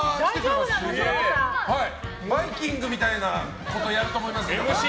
「バイキング」みたいなことやると思いますよ。